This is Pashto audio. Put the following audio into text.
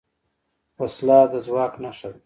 وسله د ځواک نښه ده